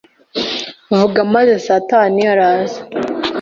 Vuga maze satani araza